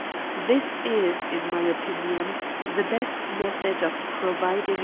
This is, in my opinion, the best method of pro vidirt.